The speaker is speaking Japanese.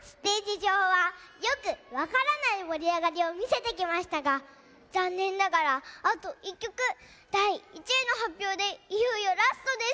じょうはよくわからないもりあがりをみせてきましたがざんねんながらあと１きょくだい１いのはっぴょうでいよいよラストです。